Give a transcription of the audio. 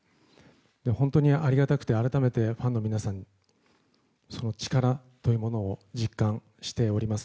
本当にありがたくて改めて、ファンの皆さんの力というものを実感しております。